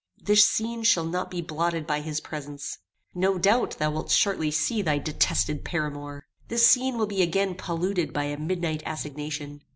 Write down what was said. This scene shall not be blotted by his presence. No doubt thou wilt shortly see thy detested paramour. This scene will be again polluted by a midnight assignation.